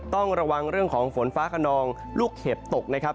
ต้องระวังเรื่องของฝนฟ้าขนองลูกเห็บตกนะครับ